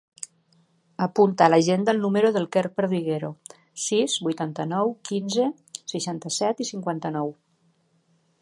Apunta a l'agenda el número del Quer Perdiguero: sis, vuitanta-nou, quinze, seixanta-set, cinquanta-nou.